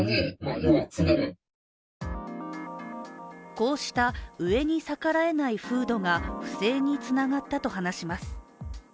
こうした上に逆らえない風土が不正につながったと話します。